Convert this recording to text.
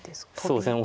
そうですね